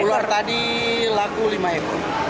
ular tadi laku lima ekor